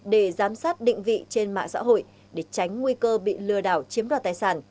để giám sát định vị trên mạng xã hội để tránh nguy cơ bị lừa đảo chiếm đoạt tài sản